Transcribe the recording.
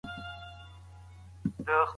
ستا د پېمانو او د لېمو خبرې نورې دي